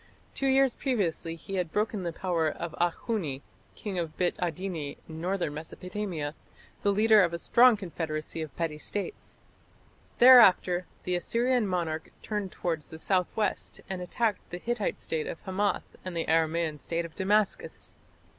Two years previously he had broken the power of Akhuni, king of Bit Adini in northern Mesopotamia, the leader of a strong confederacy of petty States. Thereafter the Assyrian monarch turned towards the south west and attacked the Hittite State of Hamath and the Aramaean State of Damascus.